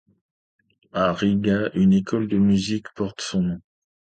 À Riga, une école de musique porte son nom.